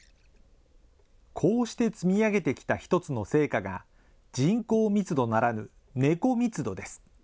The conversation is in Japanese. こうして積み上げてきた一つの成果が、人口密度ならぬ猫密度です。